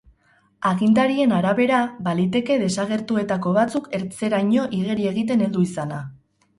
Agintarien arabera, baliteke desagertuetako batzuk ertzeraino igeri egiten heldu izana.